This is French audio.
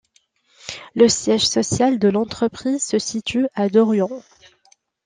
Le siège social de l'entreprise se situe à Dorion.